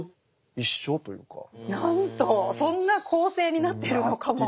そんな構成になっているのかも。